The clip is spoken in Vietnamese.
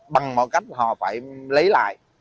bằng mọi cách họ phải lấy lại